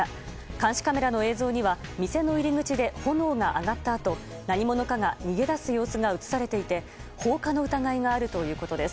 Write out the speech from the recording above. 監視カメラの映像には店の入り口で炎が上がったあと何者かが逃げ出す様子が映されていて放火の疑いがあるということです。